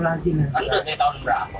kan udah kayak tahun berapa